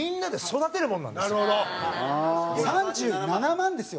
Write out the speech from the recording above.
３７万ですよ。